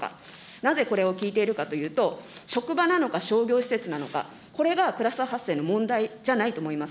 なぜこれを聞いているかというと、職場なのか、商業施設なのか、これがクラスター発生の問題じゃないと思います。